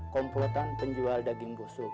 komplotan penjual daging gusuk